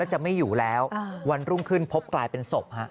จะไม่อยู่แล้ววันรุ่งขึ้นพบกลายเป็นศพฮะ